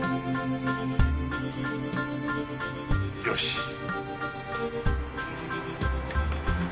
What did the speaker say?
よし！